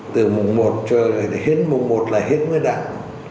từ mùng một cho đến hết mùng một là tết nguyên đán